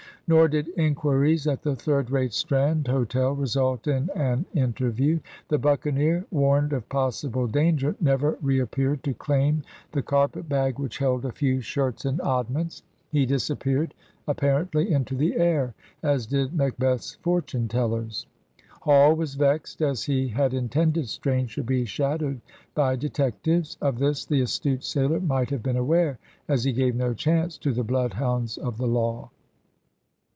Nor did inquiries at the third rate Strand hotel result in an interview. The buccaneer, warned of possible danger, never reappeared to claim the carpet bag which held a few shirts and oddments. He disappeared, apparently into the air, as did Macbeth's fortune tellers. Hall was vexed, as he had intended Strange should be shadowed by detectives. Of this the astute sailor might have been aware, as he gave no chance to the bloodhounds of the law.